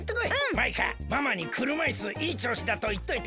マイカママにくるまいすいいちょうしだといっといて。